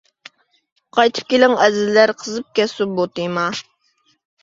قايتىپ كېلىڭ ئەزىزلەر، قىزىپ كەتسۇن بۇ تېما.